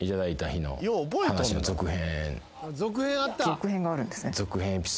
続編があるんですね。